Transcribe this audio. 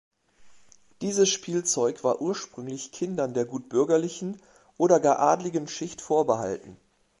Dieses Spielzeug war ursprünglich Kindern der gutbürgerlichen oder gar adligen Schicht vorbehalten.